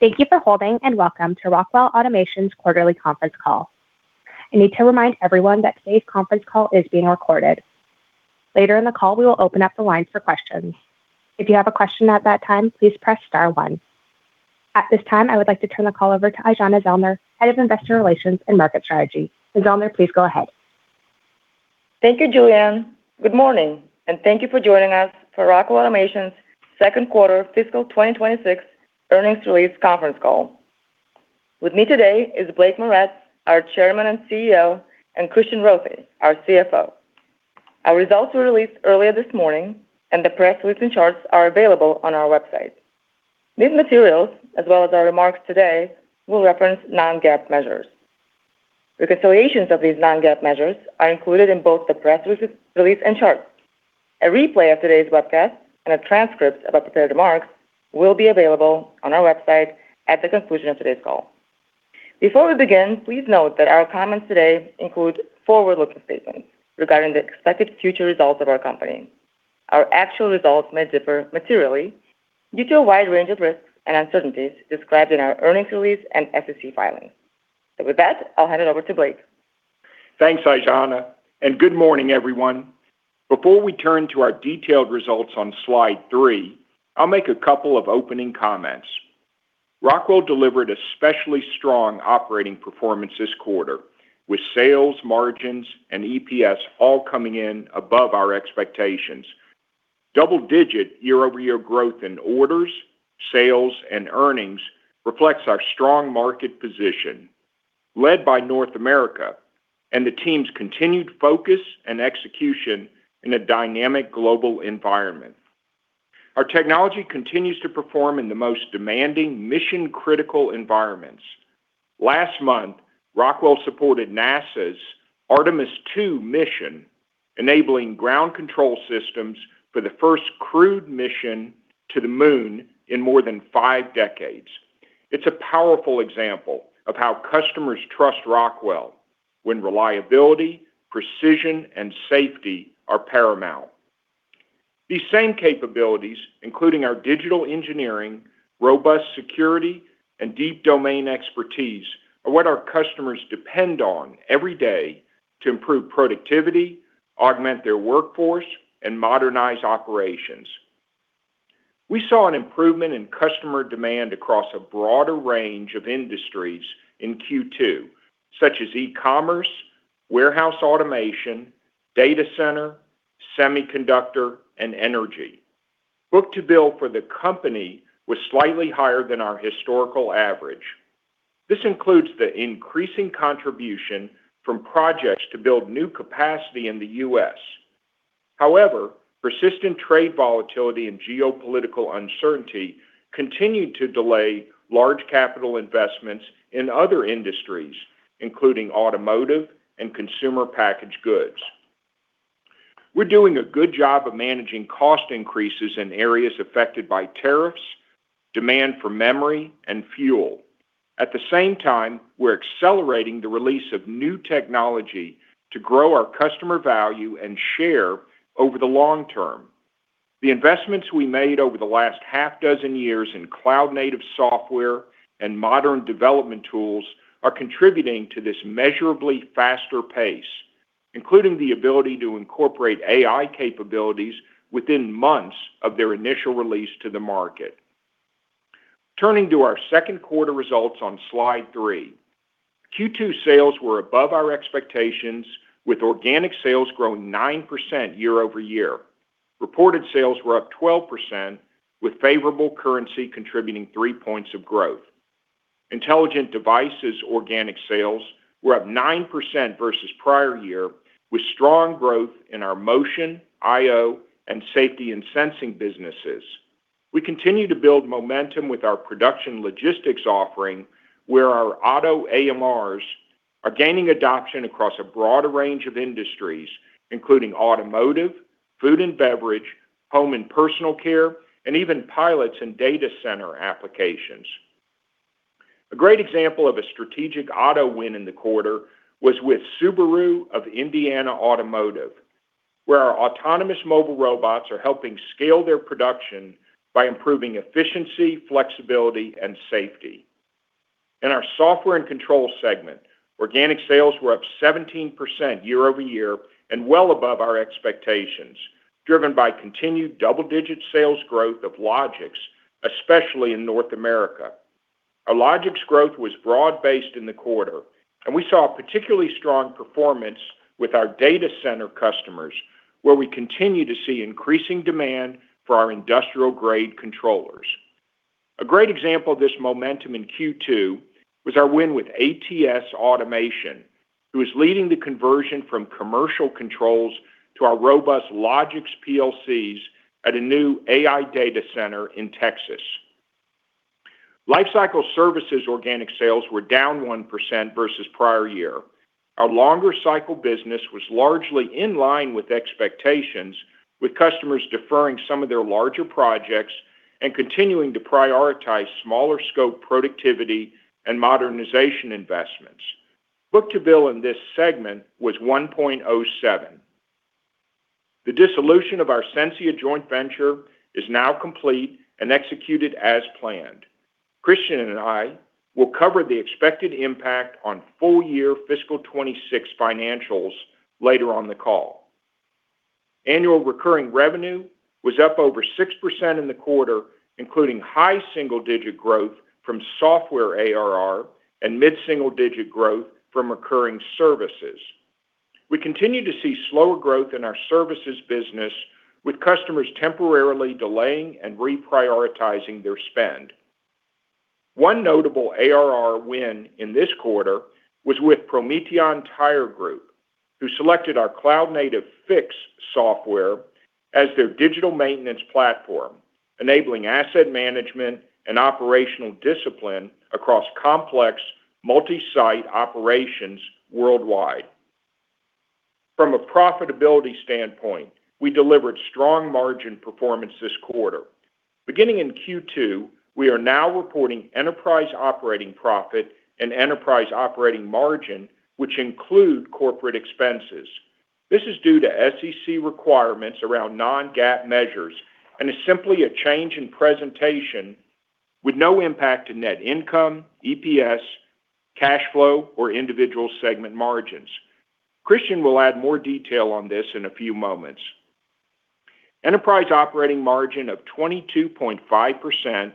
Thank you for holding and welcome to Rockwell Automation's Quarterly Conference Call. I need to remind everyone that today's conference call is being recorded. Later in the call, we will open up the lines for questions. If you have a question at that time, please press star one. At this time, I would like to turn the call over to Aijana Zellner, Head of Investor Relations and Market Strategy. Ms. Zellner, please go ahead. Thank you, Julianne. Good morning, thank you for joining us for Rockwell Automation's second quarter fiscal 2026 earnings release conference call. With me today is Blake Moret, our Chairman and CEO, and Christian Rothe, our CFO. Our results were released earlier this morning, the press release and charts are available on our website. These materials, as well as our remarks today, will reference non-GAAP measures. Reconciliations of these non-GAAP measures are included in both the press release and charts. A replay of today's webcast and a transcript of the prepared remarks will be available on our website at the conclusion of today's call. Before we begin, please note that our comments today include forward-looking statements regarding the expected future results of our company. Our actual results may differ materially due to a wide range of risks and uncertainties described in our earnings release and SEC filings. With that, I'll hand it over to Blake. Thanks, Aijana, and good morning, everyone. Before we turn to our detailed results on slide three, I'll make a couple of opening comments. Rockwell delivered especially strong operating performance this quarter, with sales, margins, and EPS all coming in above our expectations. Double-digit year-over-year growth in orders, sales, and earnings reflects our strong market position led by North America and the team's continued focus and execution in a dynamic global environment. Our technology continues to perform in the most demanding mission-critical environments. Last month, Rockwell supported NASA's Artemis II mission, enabling ground control systems for the first crewed mission to the moon in more than five decades. It's a powerful example of how customers trust Rockwell when reliability, precision, and safety are paramount. These same capabilities, including our digital engineering, robust security, and deep domain expertise, are what our customers depend on every day to improve productivity, augment their workforce, and modernize operations. We saw an improvement in customer demand across a broader range of industries in Q2, such as e-commerce, warehouse automation, data center, semiconductor, and energy. Book-to-bill for the company was slightly higher than our historical average. This includes the increasing contribution from projects to build new capacity in the U.S. Persistent trade volatility and geopolitical uncertainty continued to delay large capital investments in other industries, including automotive and consumer packaged goods. We're doing a good job of managing cost increases in areas affected by tariffs, demand for memory, and fuel. At the same time, we're accelerating the release of new technology to grow our customer value and share over the long term. The investments we made over the last half dozen years in cloud-native software and modern development tools are contributing to this measurably faster pace, including the ability to incorporate AI capabilities within months of their initial release to the market. Turning to our second quarter results on slide three. Q2 sales were above our expectations, with organic sales growing 9% year-over-year. Reported sales were up 12%, with favorable currency contributing 3 points of growth. Intelligent Devices organic sales were up 9% versus prior year, with strong growth in our motion, I/O, and safety and sensing businesses. We continue to build momentum with our production logistics offering, where our auto AMRs are gaining adoption across a broader range of industries, including automotive, food and beverage, home and personal care, and even pilots and data center applications. A great example of a strategic auto win in the quarter was with Subaru of Indiana Automotive, where our autonomous mobile robots are helping scale their production by improving efficiency, flexibility, and safety. In our Software & Control segment, organic sales were up 17% year-over-year and well above our expectations, driven by continued double-digit sales growth of Logix, especially in North America. Our Logix growth was broad-based in the quarter, and we saw a particularly strong performance with our data center customers, where we continue to see increasing demand for our industrial-grade controllers. A great example of this momentum in Q2 was our win with ATS Automation, who is leading the conversion from commercial controls to our robust Logix PLCs at a new AI data center in Texas. Lifecycle Services organic sales were down 1% versus prior year. Our longer cycle business was largely in line with expectations, with customers deferring some of their larger projects and continuing to prioritize smaller scope productivity and modernization investments. Book-to-bill in this segment was 1.07. The dissolution of our Sensia joint venture is now complete and executed as planned. Christian and I will cover the expected impact on full year fiscal 2026 financials later on the call. Annual recurring revenue was up over 6% in the quarter, including high single-digit growth from software ARR and mid-single digit growth from recurring services. We continue to see slower growth in our services business with customers temporarily delaying and reprioritizing their spend. One notable ARR win in this quarter was with Prometeon Tyre Group, who selected our cloud native Fiix software as their digital maintenance platform, enabling asset management and operational discipline across complex multi-site operations worldwide. From a profitability standpoint, we delivered strong margin performance this quarter. Beginning in Q2, we are now reporting enterprise operating profit and enterprise operating margin, which include corporate expenses. This is due to SEC requirements around non-GAAP measures and is simply a change in presentation with no impact to net income, EPS, cash flow or individual segment margins. Christian will add more detail on this in a few moments. Enterprise operating margin of 22.5% and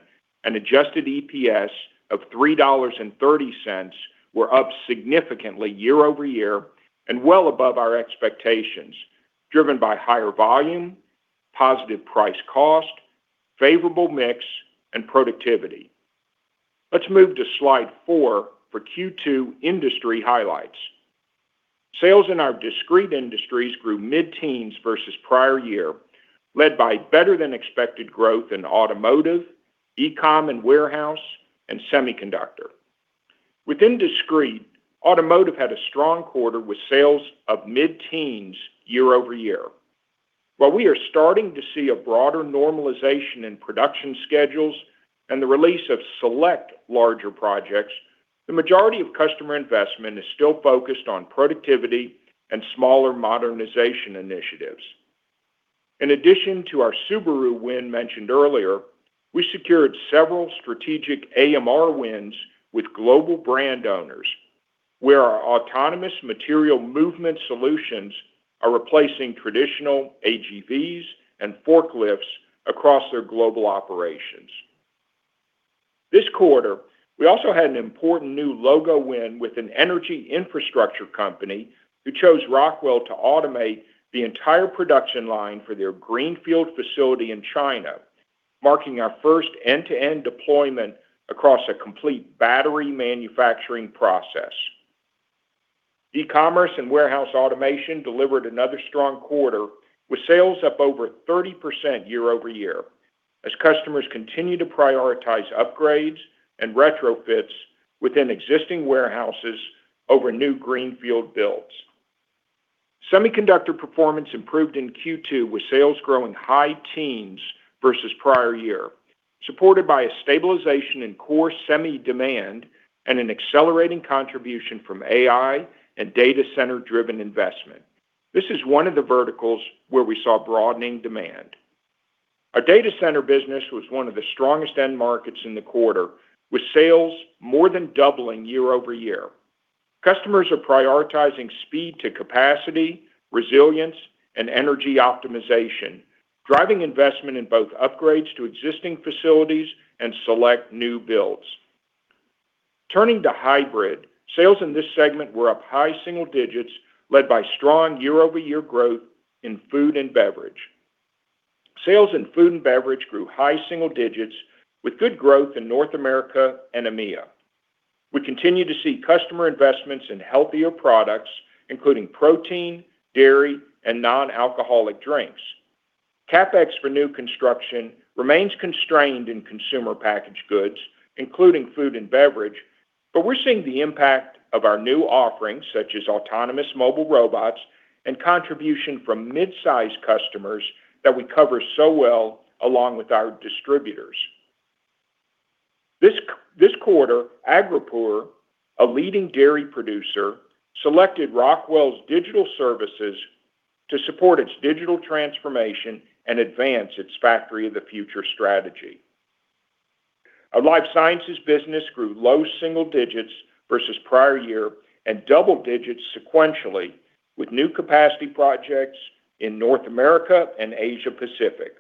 adjusted EPS of $3.30 were up significantly year-over-year and well above our expectations, driven by higher volume, positive price cost, favorable mix and productivity. Let's move to slide four for Q2 industry highlights. Sales in our discrete industries grew mid-teens versus prior year, led by better than expected growth in automotive, e-com and warehouse, and semiconductor. Within discrete, automotive had a strong quarter with sales of mid-teens year-over-year. While we are starting to see a broader normalization in production schedules and the release of select larger projects, the majority of customer investment is still focused on productivity and smaller modernization initiatives. In addition to our Subaru win mentioned earlier, we secured several strategic AMR wins with global brand owners, where our autonomous material movement solutions are replacing traditional AGVs and forklifts across their global operations. This quarter, we also had an important new logo win with an energy infrastructure company who chose Rockwell to automate the entire production line for their greenfield facility in China, marking our first end-to-end deployment across a complete battery manufacturing process. E-commerce and warehouse automation delivered another strong quarter with sales up over 30% year-over-year as customers continue to prioritize upgrades and retrofits within existing warehouses over new greenfield builds. Semiconductor performance improved in Q2 with sales growing high teens versus prior year, supported by a stabilization in core semi demand and an accelerating contribution from AI and data center driven investment. This is one of the verticals where we saw broadening demand. Our data center business was one of the strongest end markets in the quarter, with sales more than doubling year-over-year. Customers are prioritizing speed to capacity, resilience and energy optimization, driving investment in both upgrades to existing facilities and select new builds. Turning to hybrid, sales in this segment were up high single digits, led by strong year-over-year growth in food and beverage. Sales in food and beverage grew high single digits with good growth in North America and EMEA. We continue to see customer investments in healthier products, including protein, dairy and non-alcoholic drinks. CapEx for new construction remains constrained in consumer packaged goods, including food and beverage, but we're seeing the impact of our new offerings such as autonomous mobile robots and contribution from mid-size customers that we cover so well along with our distributors. This quarter, Agropur, a leading dairy producer, selected Rockwell's digital services to support its digital transformation and advance its factory of the future strategy. Our life sciences business grew low single digits versus prior year and double digits sequentially with new capacity projects in North America and Asia Pacific.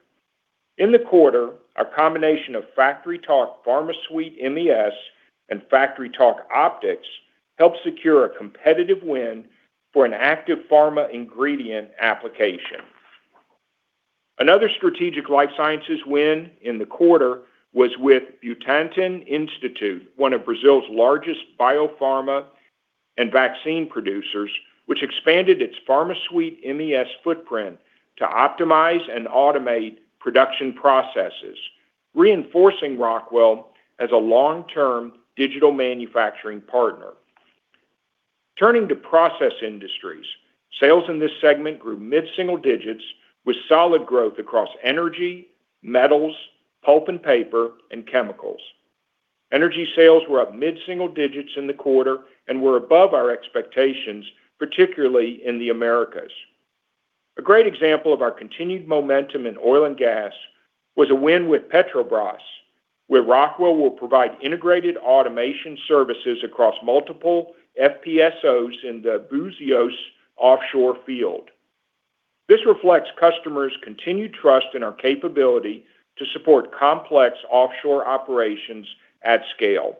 In the quarter, our combination of FactoryTalk PharmaSuite MES and FactoryTalk Optix helped secure a competitive win for an active pharma ingredient application. Another strategic life sciences win in the quarter was with Instituto Butantan, one of Brazil's largest biopharma and vaccine producers, which expanded its PharmaSuite MES footprint to optimize and automate production processes, reinforcing Rockwell as a long-term digital manufacturing partner. Turning to Process Industries, sales in this segment grew mid-single digits with solid growth across energy, metals, pulp and paper, and chemicals. Energy sales were up mid-single digits in the quarter and were above our expectations, particularly in the Americas. A great example of our continued momentum in oil and gas was a win with Petrobras, where Rockwell will provide integrated automation services across multiple FPSOs in the Búzios offshore field. This reflects customers' continued trust in our capability to support complex offshore operations at scale.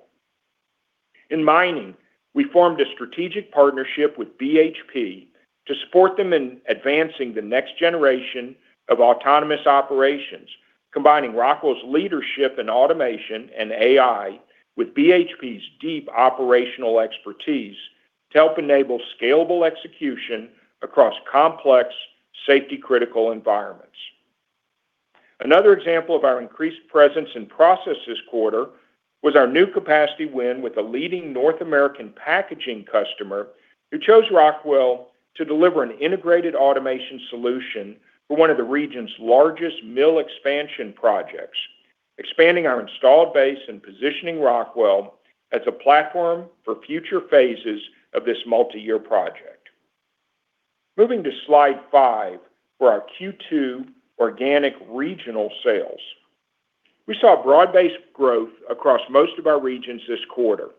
In mining, we formed a strategic partnership with BHP to support them in advancing the next generation of autonomous operations, combining Rockwell's leadership in automation and AI with BHP's deep operational expertise to help enable scalable execution across complex safety-critical environments. Another example of our increased presence in process this quarter was our new capacity win with a leading North American packaging customer who chose Rockwell to deliver an integrated automation solution for one of the region's largest mill expansion projects, expanding our installed base and positioning Rockwell as a platform for future phases of this multi-year project. Moving to slide five for our Q2 organic regional sales. We saw broad-based growth across most of our regions this quarter.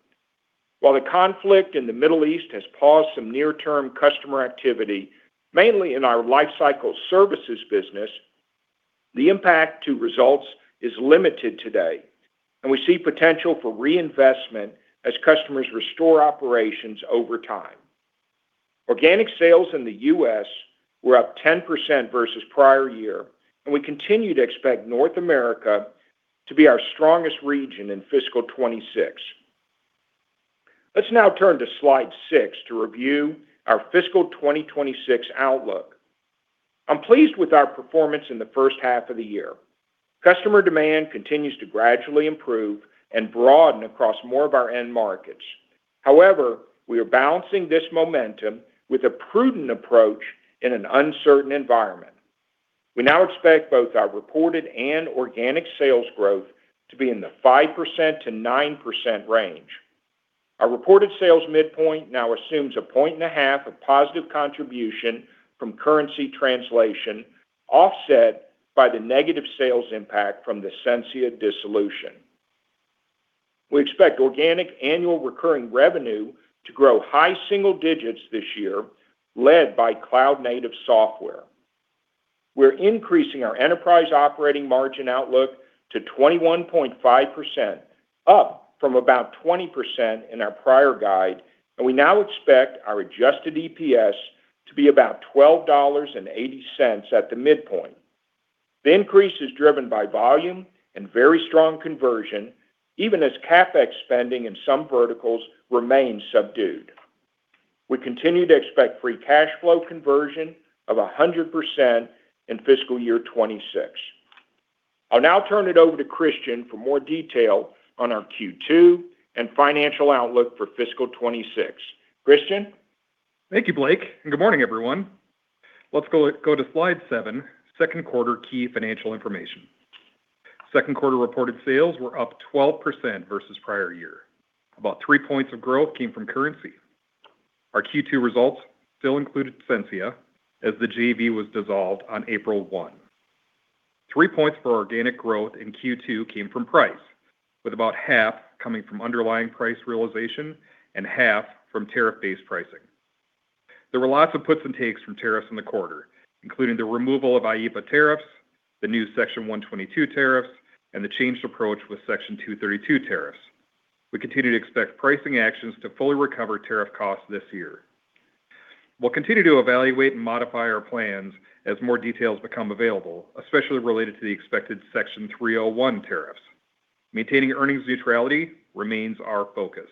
While the conflict in the Middle East has paused some near-term customer activity, mainly in our Lifecycle Services business, the impact to results is limited today, and we see potential for reinvestment as customers restore operations over time. Organic sales in the U.S. were up 10% versus prior year. We continue to expect North America to be our strongest region in fiscal 2026. Let's now turn to slide six to review our fiscal 2026 outlook. I'm pleased with our performance in the first half of the year. Customer demand continues to gradually improve and broaden across more of our end markets. We are balancing this momentum with a prudent approach in an uncertain environment. We now expect both our reported and organic sales growth to be in the 5%-9% range. Our reported sales midpoint now assumes a 1.5 of positive contribution from currency translation, offset by the negative sales impact from the Sensia dissolution. We expect organic annual recurring revenue to grow high single digits this year, led by cloud-native software. We're increasing our enterprise operating margin outlook to 21.5%, up from about 20% in our prior guide, and we now expect our adjusted EPS to be about $12.80 at the midpoint. The increase is driven by volume and very strong conversion, even as CapEx spending in some verticals remains subdued. We continue to expect free cash flow conversion of 100% in fiscal year 2026. I'll now turn it over to Christian for more detail on our Q2 and financial outlook for fiscal 2026. Christian? Thank you, Blake. Good morning, everyone. Let's go to slide seven, second quarter key financial information. Second quarter reported sales were up 12% versus prior year. About 3 points of growth came from currency. Our Q2 results still included Sensia as the JV was dissolved on April 1. 3 points for organic growth in Q2 came from price, with about half coming from underlying price realization and half from tariff-based pricing. There were lots of puts and takes from tariffs in the quarter, including the removal of IEEPA tariffs, the new Section 122 tariffs, and the changed approach with Section 232 tariffs. We continue to expect pricing actions to fully recover tariff costs this year. We'll continue to evaluate and modify our plans as more details become available, especially related to the expected Section 301 tariffs. Maintaining earnings neutrality remains our focus.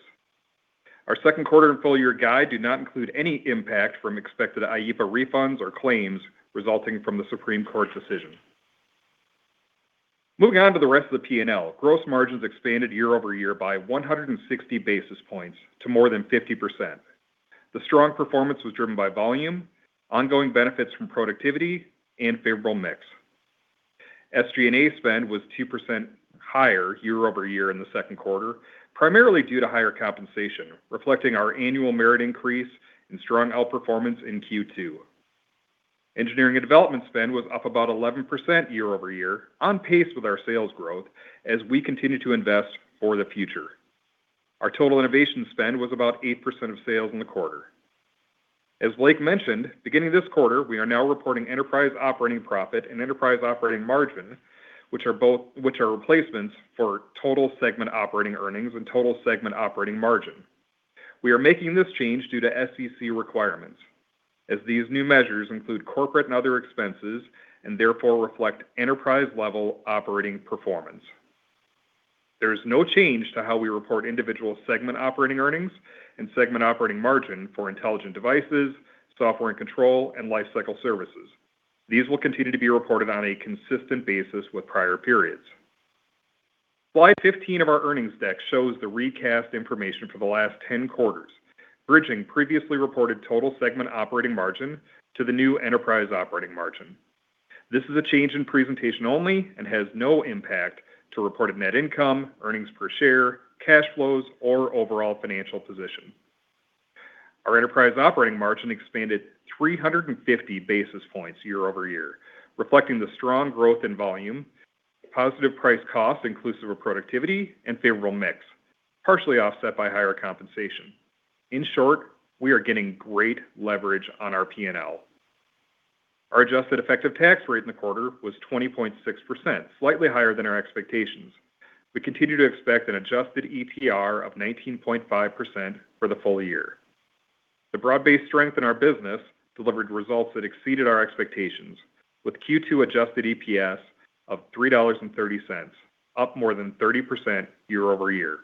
Our second quarter and full year guide do not include any impact from expected IEEPA refunds or claims resulting from the Supreme Court's decision. Moving on to the rest of the P&L, gross margins expanded year-over-year by 160 basis points to more than 50%. The strong performance was driven by volume, ongoing benefits from productivity, and favorable mix. SG&A spend was 2% higher year-over-year in the second quarter, primarily due to higher compensation, reflecting our annual merit increase and strong outperformance in Q2. Engineering and development spend was up about 11% year-over-year, on pace with our sales growth as we continue to invest for the future. Our total innovation spend was about 8% of sales in the quarter. As Blake mentioned, beginning this quarter, we are now reporting enterprise operating profit and enterprise operating margin, which are replacements for total segment operating earnings and total segment operating margin. We are making this change due to SEC requirements, as these new measures include corporate and other expenses and therefore reflect enterprise-level operating performance. There is no change to how we report individual segment operating earnings and segment operating margin for Intelligent Devices, Software & Control, and Lifecycle Services. These will continue to be reported on a consistent basis with prior periods. Slide 15 of our earnings deck shows the recast information for the last 10 quarters, bridging previously reported total segment operating margin to the new enterprise operating margin. This is a change in presentation only and has no impact to reported net income, earnings per share, cash flows, or overall financial position. Our enterprise operating margin expanded 350 basis points year-over-year, reflecting the strong growth in volume, positive price cost inclusive of productivity, and favorable mix, partially offset by higher compensation. In short, we are getting great leverage on our P&L. Our adjusted effective tax rate in the quarter was 20.6%, slightly higher than our expectations. We continue to expect an adjusted ETR of 19.5% for the full year. The broad-based strength in our business delivered results that exceeded our expectations with Q2 adjusted EPS of $3.30, up more than 30% year-over-year.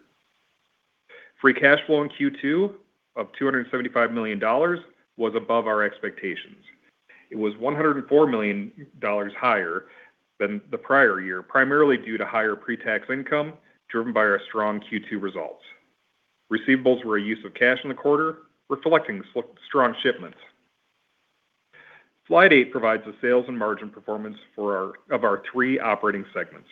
Free cash flow in Q2 of $275 million was above our expectations. It was $104 million higher than the prior year, primarily due to higher pre-tax income driven by our strong Q2 results. Receivables were a use of cash in the quarter, reflecting strong shipments. Slide eight provides the sales and margin performance of our three operating segments.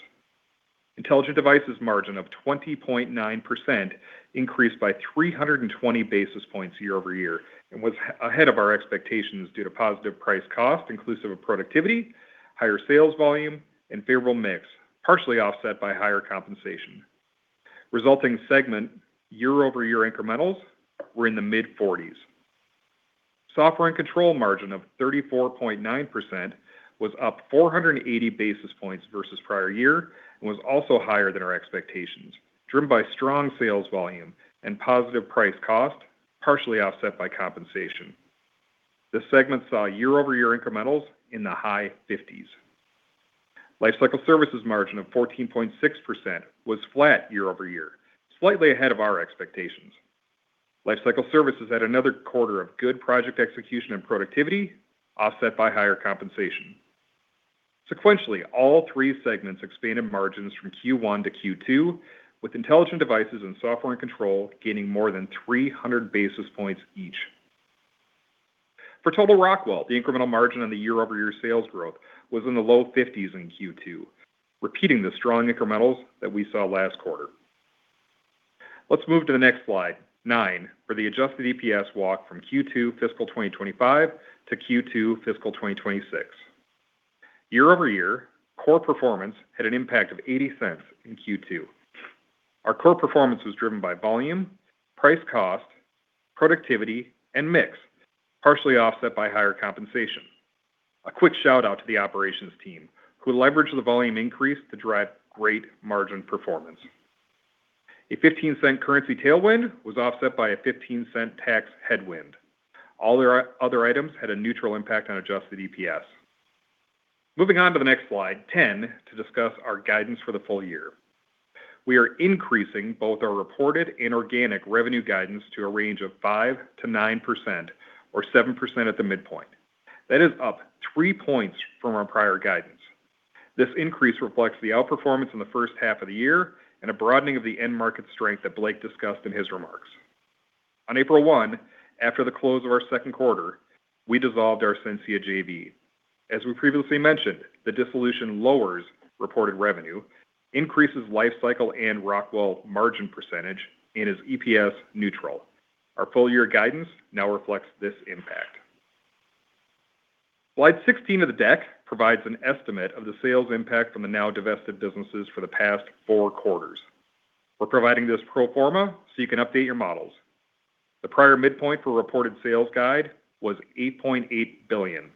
Intelligent Devices margin of 20.9% increased by 320 basis points year-over-year and was ahead of our expectations due to positive price cost inclusive of productivity, higher sales volume, and favorable mix, partially offset by higher compensation. Resulting segment year-over-year incrementals were in the mid-40s. Software & Control margin of 34.9% was up 480 basis points versus prior year and was also higher than our expectations, driven by strong sales volume and positive price cost, partially offset by compensation. This segment saw year-over-year incrementals in the high 50s. Lifecycle Services margin of 14.6% was flat year-over-year, slightly ahead of our expectations. Lifecycle Services had another quarter of good project execution and productivity, offset by higher compensation. Sequentially, all 3 segments expanded margins from Q1 to Q2, with Intelligent Devices and Software & Control gaining more than 300 basis points each. For total Rockwell, the incremental margin on the year-over-year sales growth was in the low 50s in Q2, repeating the strong incrementals that we saw last quarter. Let's move to the next slide, nine, for the adjusted EPS walk from Q2 fiscal 2025 to Q2 fiscal 2026. Year-over-year, core performance had an impact of $0.80 in Q2. Our core performance was driven by volume, price cost, productivity, and mix, partially offset by higher compensation. A quick shout-out to the operations team, who leveraged the volume increase to drive great margin performance. A $0.15 currency tailwind was offset by a $0.15 tax headwind. All their other items had a neutral impact on adjusted EPS. Moving on to the next slide, 10, to discuss our guidance for the full year. We are increasing both our reported and organic revenue guidance to a range of 5%-9% or 7% at the midpoint. That is up 3 points from our prior guidance. On April 1, after the close of our second quarter, we dissolved our Sensia JV. As we previously mentioned, the dissolution lowers reported revenue, increases lifecycle and Rockwell margin percentage, and is EPS neutral. Our full year guidance now reflects this impact. Slide 16 of the deck provides an estimate of the sales impact from the now divested businesses for the past 4 quarters. We're providing this pro forma so you can update your models. The prior midpoint for reported sales guide was $8.8 billion.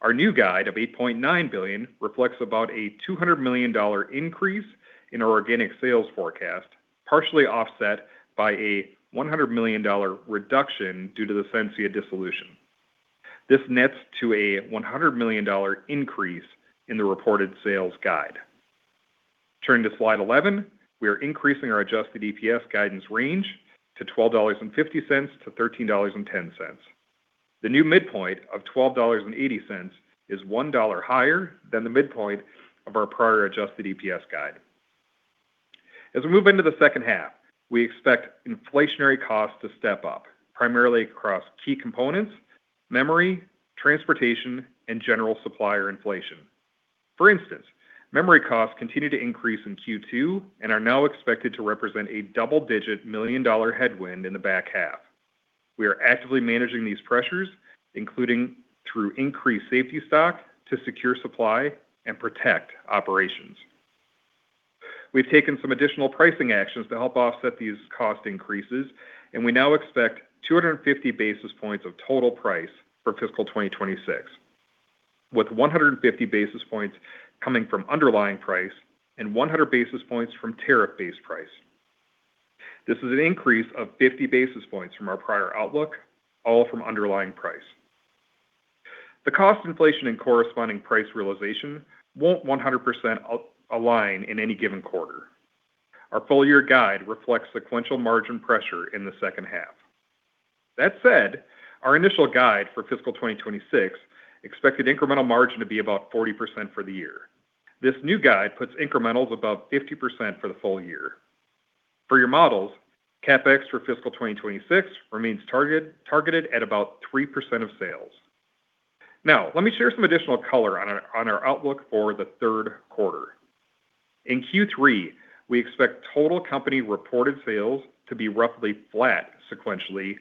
Our new guide of $8.9 billion reflects about a $200 million increase in our organic sales forecast, partially offset by a $100 million reduction due to the Sensia dissolution. This nets to a $100 million increase in the reported sales guide. Turning to slide 11, we are increasing our adjusted EPS guidance range to $12.50-$13.10. The new midpoint of $12.80 is $1 higher than the midpoint of our prior adjusted EPS guide. As we move into the second half, we expect inflationary costs to step up, primarily across key components, memory, transportation, and general supplier inflation. For instance, memory costs continued to increase in Q2 and are now expected to represent a double-digit million-dollar headwind in the back half. We are actively managing these pressures, including through increased safety stock to secure supply and protect operations. We've taken some additional pricing actions to help offset these cost increases, and we now expect 250 basis points of total price for fiscal 2026, with 150 basis points coming from underlying price and 100 basis points from tariff-based price. This is an increase of 50 basis points from our prior outlook, all from underlying price. The cost inflation and corresponding price realization won't 100% align in any given quarter. Our full-year guide reflects sequential margin pressure in the second half. That said, our initial guide for fiscal 2026 expected incremental margin to be about 40% for the year. This new guide puts incrementals above 50% for the full year. For your models, CapEx for fiscal 2026 remains targeted at about 3% of sales. Let me share some additional color on our outlook for the 3rd quarter. In Q3, we expect total company reported sales to be roughly flat sequentially,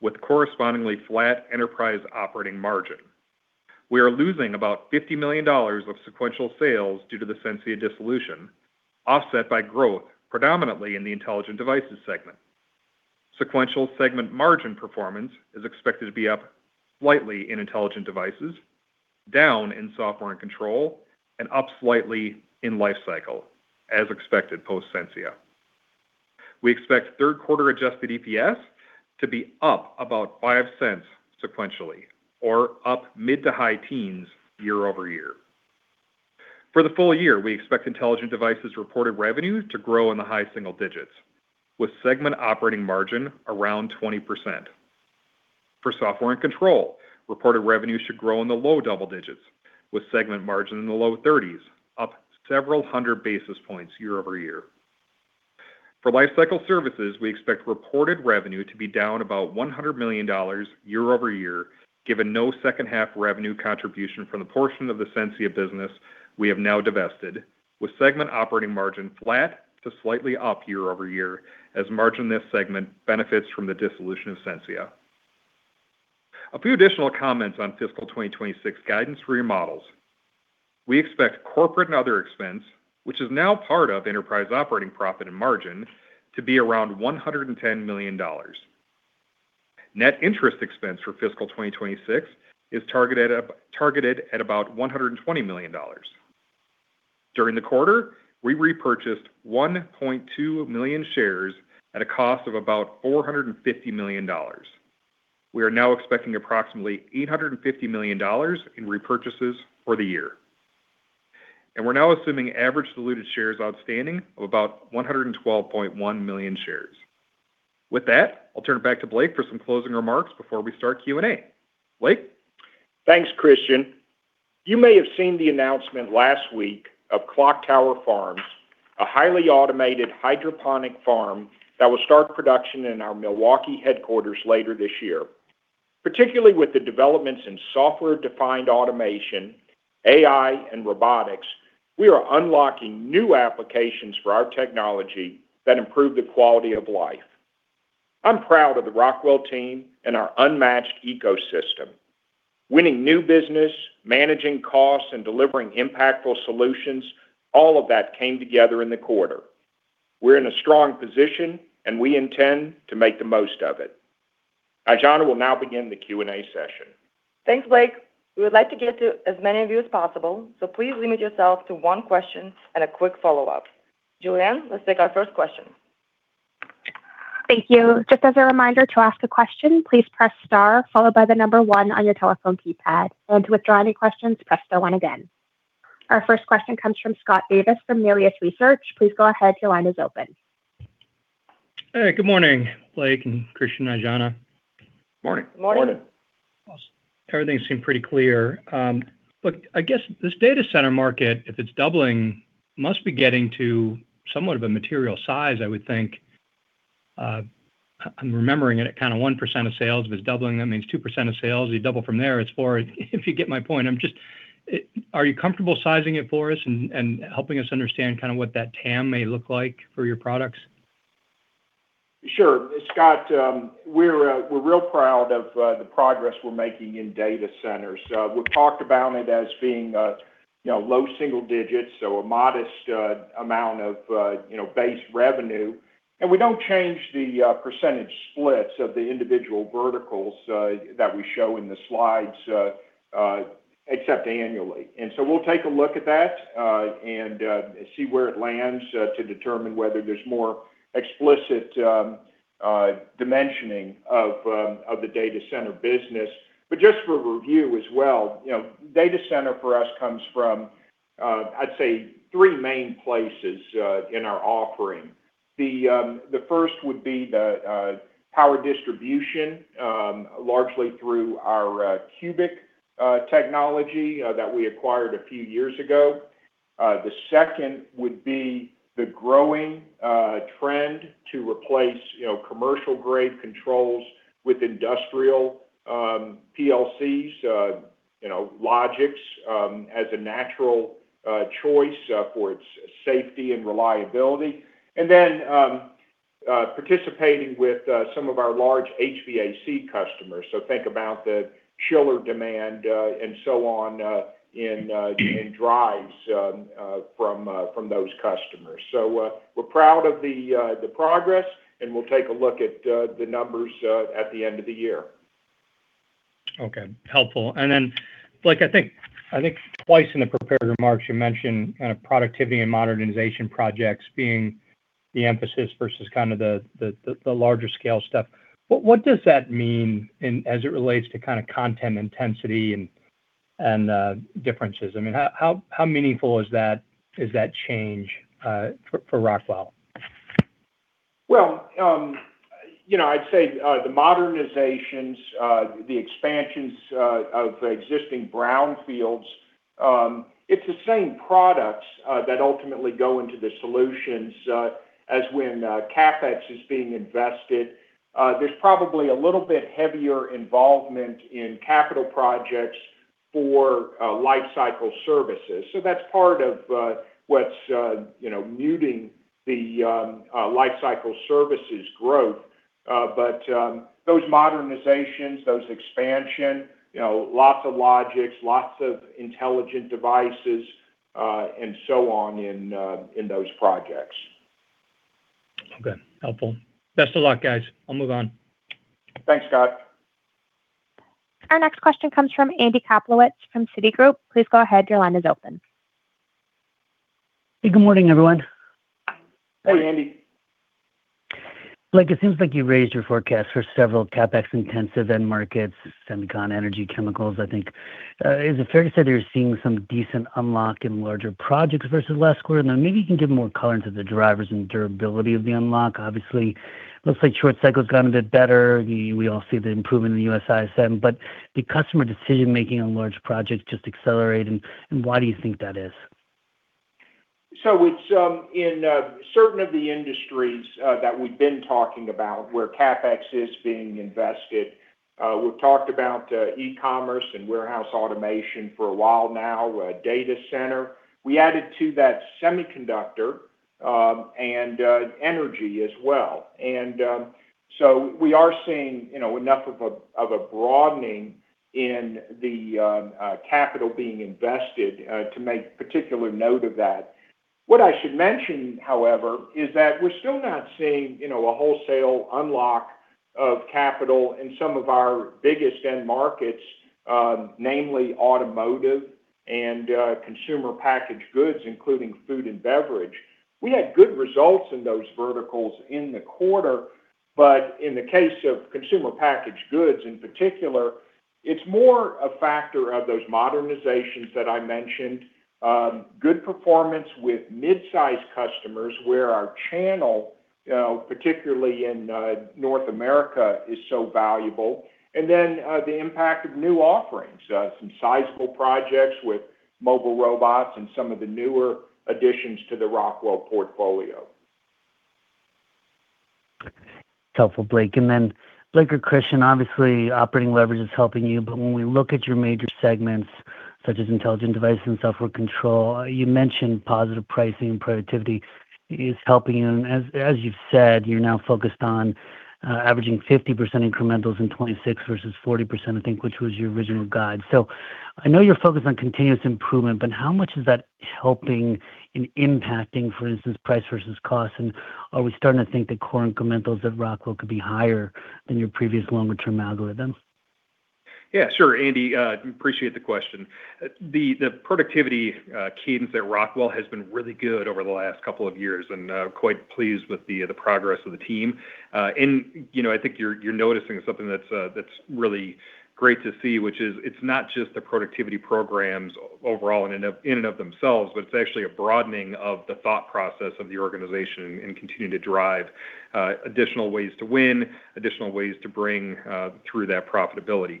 with correspondingly flat enterprise operating margin. We are losing about $50 million of sequential sales due to the Sensia dissolution, offset by growth predominantly in the Intelligent Devices segment. Sequential segment margin performance is expected to be up slightly in Intelligent Devices, down in Software & Control, and up slightly in Lifecycle, as expected post-Sensia. We expect 3rd quarter adjusted EPS to be up about $0.05 sequentially, or up mid to high teens year-over-year. For the full year, we expect Intelligent Devices reported revenue to grow in the high single digits, with segment operating margin around 20%. For Software & Control, reported revenue should grow in the low double digits, with segment margin in the low 30s%, up several hundred basis points year-over-year. For Lifecycle Services, we expect reported revenue to be down about $100 million year-over-year, given no second half revenue contribution from the portion of the Sensia business we have now divested, with segment operating margin flat to slightly up year-over-year as margin this segment benefits from the dissolution of Sensia. A few additional comments on FY 2026 guidance for your models. We expect corporate and other expense, which is now part of enterprise operating profit and margin, to be around $110 million. Net interest expense for fiscal 2026 is targeted up, targeted at about $120 million. During the quarter, we repurchased 1.2 million shares at a cost of about $450 million. We are now expecting approximately $850 million in repurchases for the year. We're now assuming average diluted shares outstanding of about 112.1 million shares. With that, I'll turn it back to Blake for some closing remarks before we start Q&A. Blake? Thanks, Christian. You may have seen the announcement last week of Clock Tower Farms, a highly automated hydroponic farm that will start production in our Milwaukee headquarters later this year. Particularly with the developments in software-defined automation, AI, and robotics, we are unlocking new applications for our technology that improve the quality of life. I'm proud of the Rockwell team and our unmatched ecosystem. Winning new business, managing costs, and delivering impactful solutions, all of that came together in the quarter. We're in a strong position, and we intend to make the most of it. Aijana will now begin the Q&A session. Thanks, Blake. We would like to get to as many of you as possible, please limit yourself to one question and a quick follow-up. Julianne, let's take our first question. Thank you. Just as a reminder to ask a question, please press star followed by the number one on your telephone keypad. And to withdraw any questions, press star one again. Our first question comes from Scott Davis from Melius Research. Please go ahead, your line is open. Hey, good morning, Blake and Christian, Aijana. Morning. Morning. Morning. Awesome. Everything seemed pretty clear. Look, I guess this data center market, if it's doubling, must be getting to somewhat of a material size, I would think. I'm remembering it at kind of 1% of sales, but it's doubling, that means 2% of sales, you double from there it's 4%, if you get my point. I'm just, are you comfortable sizing it for us and helping us understand kind of what that TAM may look like for your products? Sure. Scott, we're real proud of the progress we're making in data centers. We've talked about it as being, you know, low single digits, so a modest amount of, you know, base revenue. We don't change the percentage splits of the individual verticals that we show in the slides except annually. We'll take a look at that and see where it lands to determine whether there's more explicit dimensioning of the data center business. Just for review as well, you know, data center for us comes from I'd say three main places in our offering. The first would be the power distribution, largely through our CUBIC technology that we acquired a few years ago. The second would be the growing trend to replace, you know, commercial grade controls with industrial PLCs, you know, Logix, as a natural choice for its safety and reliability. Participating with some of our large HVAC customers. Think about the chiller demand and so on in drives from those customers. We're proud of the progress, and we'll take a look at the numbers at the end of the year. Okay. Helpful. Then, Blake, I think twice in the prepared remarks you mentioned kind of productivity and modernization projects being the emphasis versus kind of the larger scale stuff. What does that mean as it relates to kind of content intensity and differences? I mean, how meaningful is that change for Rockwell? Well, you know, I'd say, the modernizations, the expansions, of existing brownfields, it's the same products that ultimately go into the solutions as when CapEx is being invested. There's probably a little bit heavier involvement in capital projects for life cycle services. That's part of what's, you know, muting the life cycle services growth. Those modernizations, those expansion, you know, lots of Logix, lots of Intelligent Devices, and so on in those projects. Okay. Helpful. Best of luck, guys. I'll move on. Thanks, Scott. Our next question comes from Andy Kaplowitz from Citigroup. Please go ahead, your line is open. Good morning, everyone. Hey, Andy. Blake, it seems like you raised your forecast for several CapEx intensive end markets, semicon, energy, chemicals, I think. Is it fair to say that you're seeing some decent unlock in larger projects versus last quarter? Maybe you can give more color into the drivers and durability of the unlock. Obviously, looks like short cycle has gotten a bit better. We all see the improvement in the US ISM, the customer decision-making on large projects just accelerate and why do you think that is? It's in certain of the industries that we've been talking about where CapEx is being invested, we've talked about e-commerce and warehouse automation for a while now, data center. We added to that semiconductor and energy as well. We are seeing, you know, enough of a broadening in the capital being invested to make particular note of that. I should mention, however, is that we're still not seeing, you know, a wholesale unlock of capital in some of our biggest end markets, namely automotive and consumer packaged goods, including food and beverage. We had good results in those verticals in the quarter, but in the case of consumer packaged goods in particular, it's more a factor of those modernizations that I mentioned. Good performance with mid-size customers where our channel, particularly in North America, is so valuable. The impact of new offerings, some sizable projects with mobile robots and some of the newer additions to the Rockwell portfolio. Okay. Helpful, Blake. Blake or Christian, obviously, operating leverage is helping you, but when we look at your major segments, such as Intelligent Device and Software Control, you mentioned positive pricing and productivity is helping you. As you've said, you're now focused on averaging 50% incrementals in 2026 versus 40%, I think, which was your original guide. I know you're focused on continuous improvement, but how much is that helping and impacting, for instance, price versus cost? Are we starting to think that core incrementals at Rockwell could be higher than your previous longer term algorithm? Yeah, sure, Andy. Appreciate the question. The productivity cadence at Rockwell has been really good over the last couple of years, and quite pleased with the progress of the team. You know, I think you're noticing something that's really great to see, which is it's not just the productivity programs overall in and of themselves, but it's actually a broadening of the thought process of the organization and continuing to drive additional ways to win, additional ways to bring through that profitability.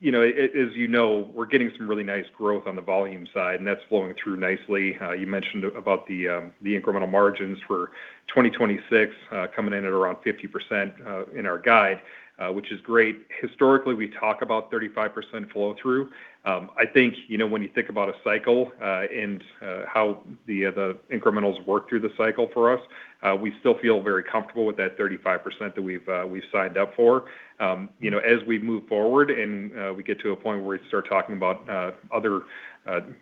You know, as you know, we're getting some really nice growth on the volume side, and that's flowing through nicely. You mentioned about the incremental margins for 2026, coming in at around 50% in our guide, which is great. Historically, we talk about 35% flow through. I think, you know, when you think about a cycle, and how the incrementals work through the cycle for us, we still feel very comfortable with that 35% that we've signed up for. You know, as we move forward and we get to a point where we start talking about other,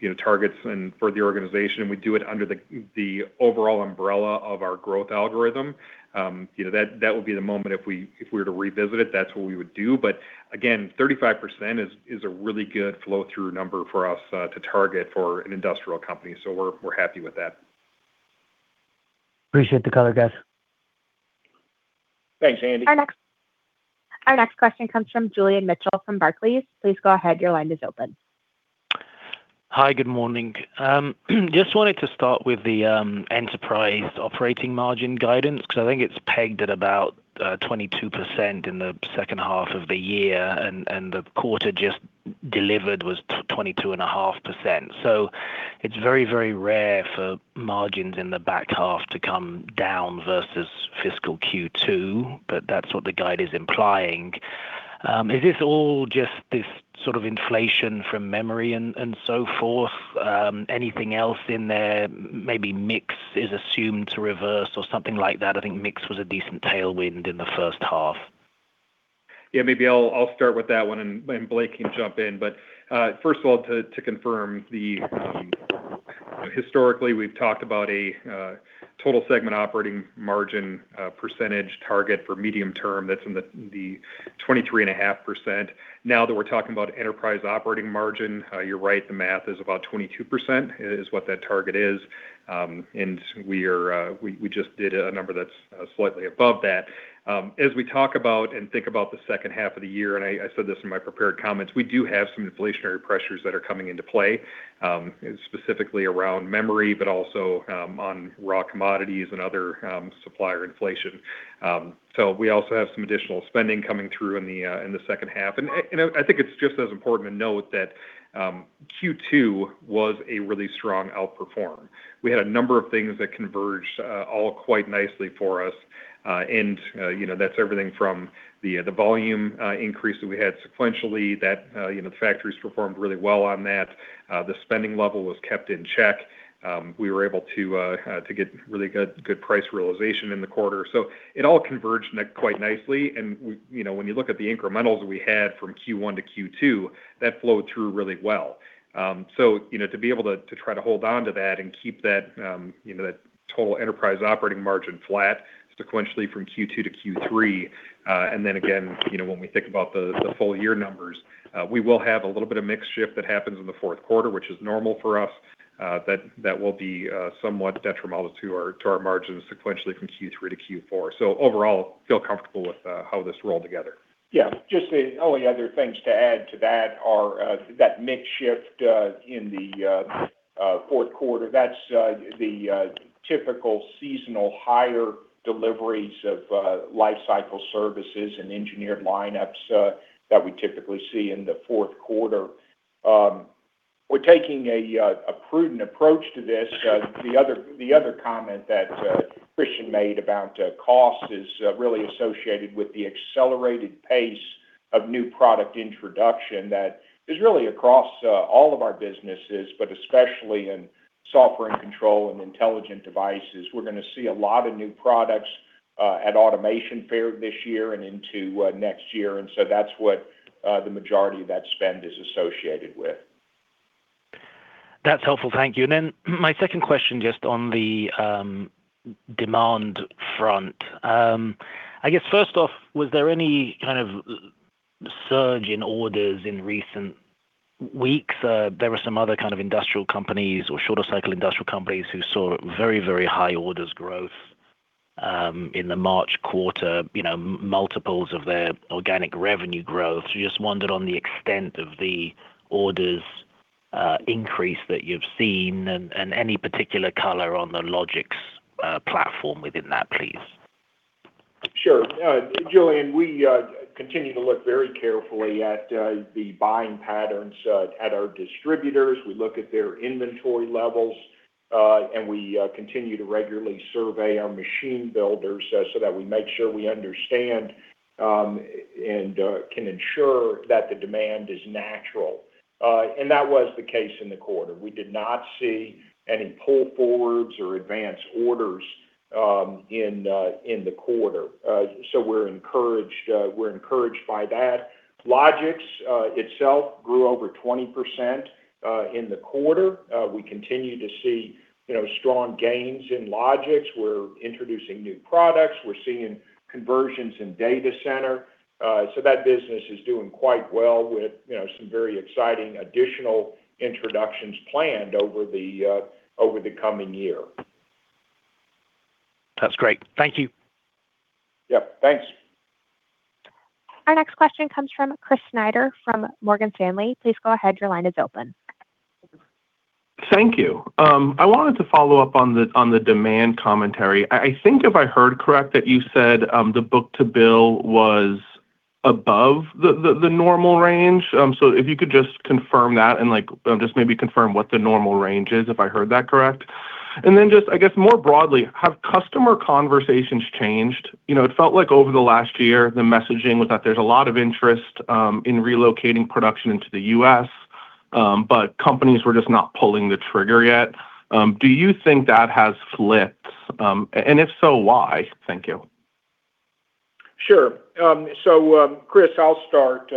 you know, targets and for the organization, we do it under the overall umbrella of our growth algorithm. You know, that will be the moment if we were to revisit it, that's what we would do. Again, 35% is a really good flow through number for us to target for an industrial company. We're happy with that. Appreciate the color, guys. Thanks, Andy. Our next question comes from Julian Mitchell from Barclays. Please go ahead, your line is open. Hi, good morning. Just wanted to start with the enterprise operating margin guidance because I think it's pegged at about 22% in the second half of the year and the quarter just delivered was 22.5%. It's very, very rare for margins in the back half to come down versus fiscal Q2, but that's what the guide is implying. Is this all just this sort of inflation from memory and so forth? Anything else in there, maybe mix is assumed to reverse or something like that? I think mix was a decent tailwind in the first half. Yeah, maybe I'll start with that one and Blake can jump in. First of all, to confirm the Historically, we've talked about a total segment operating margin percentage target for medium term that's in the 23.5%. Now that we're talking about enterprise operating margin, you're right, the math is about 22% is what that target is. We are, we just did a number that's slightly above that. As we talk about and think about the second half of the year, and I said this in my prepared comments, we do have some inflationary pressures that are coming into play, specifically around memory, but also on raw commodities and other supplier inflation. We also have some additional spending coming through in the second half. I think it's just as important to note that Q2 was a really strong outperform. We had a number of things that converged all quite nicely for us. You know, that's everything from the volume increase that we had sequentially that, you know, the factories performed really well on that. The spending level was kept in check. We were able to get really good price realization in the quarter. It all converged quite nicely. You know, when you look at the incrementals we had from Q1 to Q2, that flowed through really well. You know, to be able to try to hold onto that and keep that, you know, that total enterprise operating margin flat sequentially from Q2 to Q3, then again, you know, when we think about the full year numbers, we will have a little bit of mix shift that happens in the fourth quarter, which is normal for us. That will be somewhat detrimental to our margins sequentially from Q3 to Q4. Overall, feel comfortable with how this rolled together. Just the only other things to add to that are that mix shift in the fourth quarter, that's the typical seasonal higher deliveries of life cycle services and engineered lineups that we typically see in the fourth quarter. We're taking a prudent approach to this. The other, the other comment that Christian made about cost is really associated with the accelerated pace of new product introduction that is really across all of our businesses, but especially in Software & Control and Intelligent Devices. We're gonna see a lot of new products at Automation Fair this year and into next year. That's what the majority of that spend is associated with. That's helpful, thank you. My second question, just on the demand front. I guess first off, was there any kind of surge in orders in recent weeks? There were some other kind of industrial companies or shorter cycle industrial companies who saw very, very high orders growth in the March quarter, you know, multiples of their organic revenue growth. Just wondered on the extent of the orders increase that you've seen and any particular color on the Logix platform within that, please. Sure. Julian, we continue to look very carefully at the buying patterns at our distributors. We look at their inventory levels, and we continue to regularly survey our machine builders so that we make sure we understand and can ensure that the demand is natural. That was the case in the quarter. We did not see any pull forwards or advanced orders in the quarter. We're encouraged, we're encouraged by that. Logix itself grew over 20% in the quarter. We continue to see, you know, strong gains in Logix. We're introducing new products. We're seeing conversions in data center. That business is doing quite well with, you know, some very exciting additional introductions planned over the coming year. That's great. Thank you. Yep. Thanks. Our next question comes from Chris Snyder from Morgan Stanley. Please go ahead, your line is open. Thank you. I wanted to follow up on the demand commentary. I think if I heard correct that you said the book-to-bill was above the normal range. If you could just confirm that and like, just maybe confirm what the normal range is, if I heard that correct? Just I guess more broadly, have customer conversations changed? You know, it felt like over the last year, the messaging was that there's a lot of interest in relocating production into the U.S., companies were just not pulling the trigger yet. Do you think that has flipped? And if so, why? Thank you. Sure. Chris, I'll start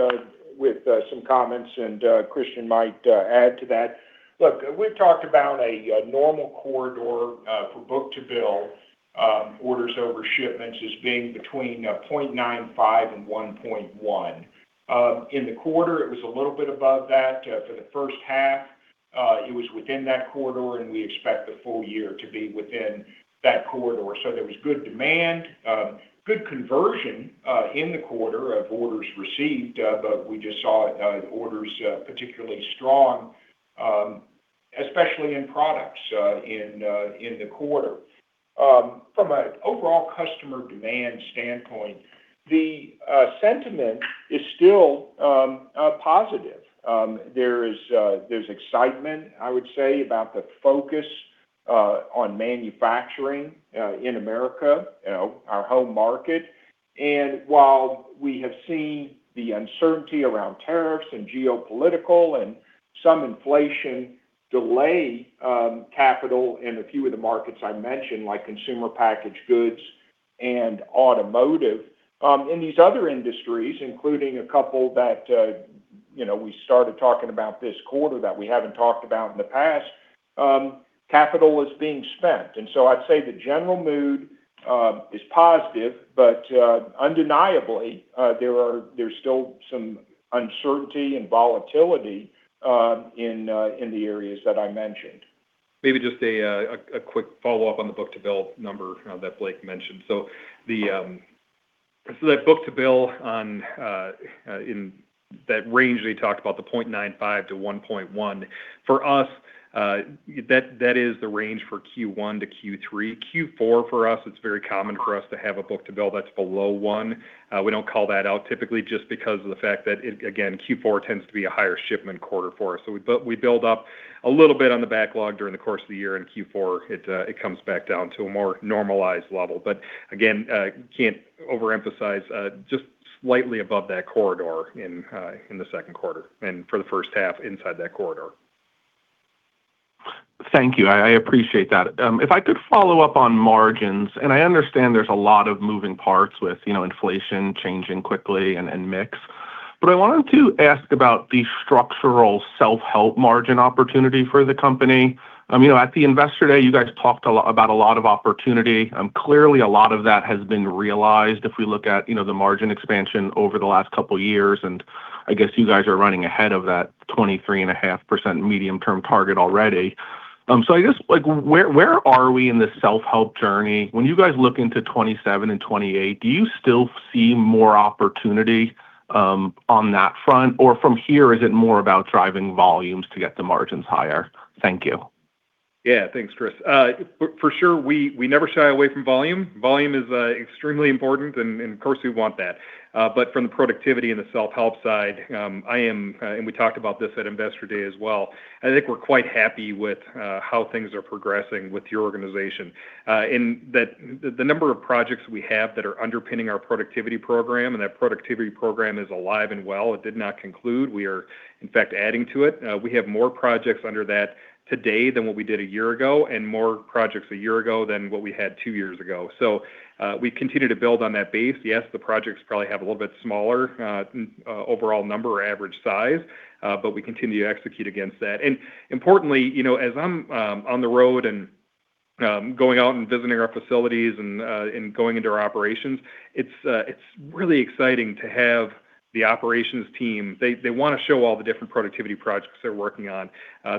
with some comments and Christian might add to that. Look, we've talked about a normal corridor for book-to-bill orders over shipments as being between 0.95 and 1.1. In the quarter, it was a little bit above that. For the 1st half, it was within that corridor, and we expect the full year to be within that corridor. There was good demand, good conversion in the quarter of orders received, but we just saw orders particularly strong, especially in products in the quarter. From a overall customer demand standpoint, the sentiment is still positive. There is, there's excitement, I would say, about the focus on manufacturing in America, our home market. While we have seen the uncertainty around tariffs and geopolitical and some inflation delay, capital in a few of the markets I mentioned, like consumer packaged goods and automotive, in these other industries, including a couple that, you know, we started talking about this quarter that we haven't talked about in the past, capital is being spent. I'd say the general mood is positive, but undeniably, there are, there's still some uncertainty and volatility in the areas that I mentioned. Maybe just a quick follow-up on the book-to-bill number that Blake mentioned. The book-to-bill on in that range that he talked about, the 0.95-1.1, that is the range for Q1 to Q3. Q4 for us, it's very common for us to have a book-to-bill that's below 1. We don't call that out typically just because of the fact that again, Q4 tends to be a higher shipment quarter for us. We build up a little bit on the backlog during the course of the year, in Q4 it comes back down to a more normalized level. Again, can't overemphasize, just slightly above that corridor in the second quarter and for the first half inside that corridor. Thank you. I appreciate that. If I could follow up on margins, I understand there's a lot of moving parts with, you know, inflation changing quickly and mix. I wanted to ask about the structural self-help margin opportunity for the company. You know, at the Investor Day, you guys talked about a lot of opportunity. Clearly a lot of that has been realized if we look at, you know, the margin expansion over the last couple of years, I guess you guys are running ahead of that 23.5% medium-term target already. I guess, like, where are we in this self-help journey? When you guys look into 2027 and 2028, do you still see more opportunity on that front? From here, is it more about driving volumes to get the margins higher? Thank you. Thanks, Chris. For sure, we never shy away from volume. Volume is extremely important and of course we want that. But from the productivity and the self-help side, I am, and we talked about this at Investor Day as well, I think we're quite happy with how things are progressing with your organization. In the number of projects we have that are underpinning our productivity program, and that productivity program is alive and well. It did not conclude. We are, in fact, adding to it. We have more projects under that today than what we did a year ago, and more projects a year ago than what we had 2 years ago. We continue to build on that base. Yes, the projects probably have a little bit smaller overall number or average size, but we continue to execute against that. Importantly, you know, as I'm on the road and going out and visiting our facilities and going into our operations, it's really exciting to have the operations team. They wanna show all the different productivity projects they're working on.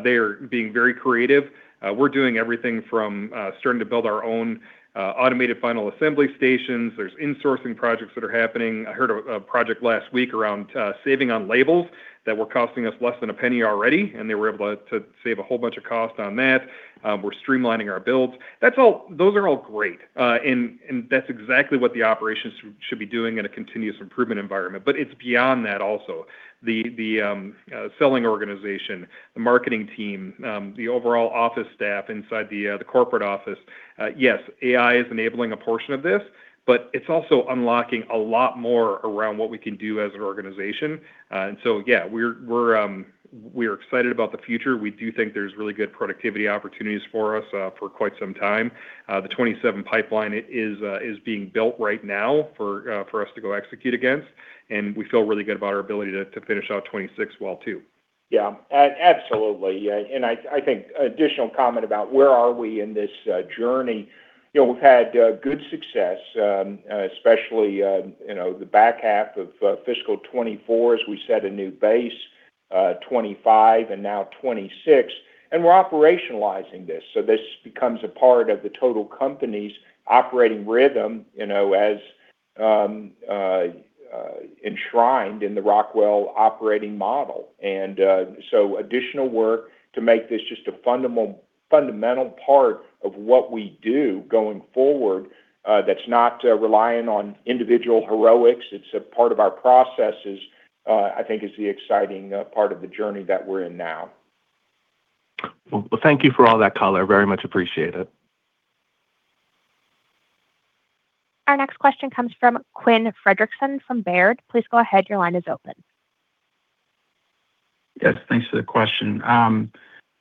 They are being very creative. We're doing everything from starting to build our own automated final assembly stations. There's insourcing projects that are happening. I heard of a project last week around saving on labels that were costing us less than $0.01 already, and they were able to save a whole bunch of cost on that. We're streamlining our builds. Those are all great. That's exactly what the operations should be doing in a continuous improvement environment. It's beyond that also. The selling organization, the marketing team, the overall office staff inside the corporate office, yes, AI is enabling a portion of this, but it's also unlocking a lot more around what we can do as an organization. Yeah, we're excited about the future. We do think there's really good productivity opportunities for us for quite some time. The 2027 pipeline is being built right now for us to go execute against. We feel really good about our ability to finish out 2026 well, too. Yeah. Absolutely. Yeah. I think additional comment about where are we in this journey. You know, we've had good success, especially, you know, the back half of fiscal 2024 as we set a new base, 2025 and now 2026, and we're operationalizing this. This becomes a part of the total company's operating rhythm, you know, as enshrined in the Rockwell operating model. Additional work to make this just a fundamental part of what we do going forward, that's not relying on individual heroics, it's a part of our processes, I think is the exciting part of the journey that we're in now. Well, thank you for all that color. Very much appreciate it. Our next question comes from Quinn Fredrickson from Baird. Please go ahead. Your line is open. Yes, thanks for the question.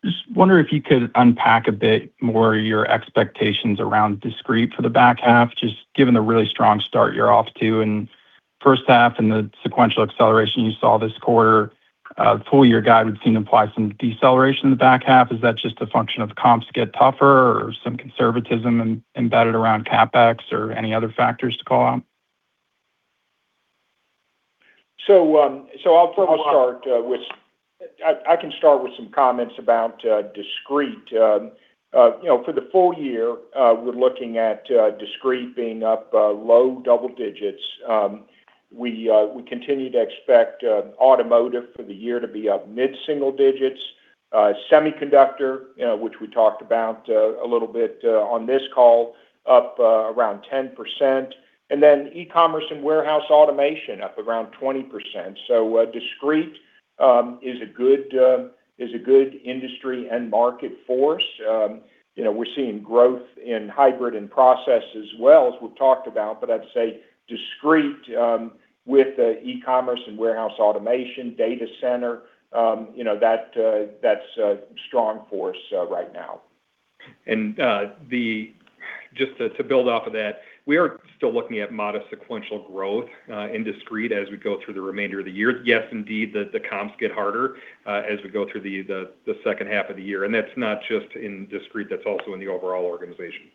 Just wondering if you could unpack a bit more your expectations around discrete for the back half, just given the really strong start you're off to in first half and the sequential acceleration you saw this quarter. The full year guide would seem to imply some deceleration in the back half. Is that just a function of comps get tougher or some conservatism embedded around CapEx or any other factors to call out? I'll probably start with some comments about discrete. You know, for the full year, we're looking at discrete being up low double-digits. We continue to expect automotive for the year to be up mid-single-digits. Semiconductor, you know, which we talked about a little bit on this call, up around 10%, and then e-commerce and warehouse automation up around 20%. Discrete is a good industry and market force. You know, we're seeing growth in hybrid and process as well, as we've talked about. I'd say discrete, with the e-commerce and warehouse automation, data center, you know, that's a strong force right now. Just to build off of that, we are still looking at modest sequential growth in discrete as we go through the remainder of the year. The comps get harder as we go through the second half of the year, and that's not just in discrete, that's also in the overall organization.